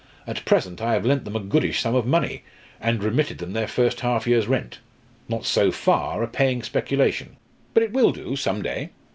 At present I have lent them a goodish sum of money and remitted them their first half year's rent. Not so far a paying speculation. But it will do some day.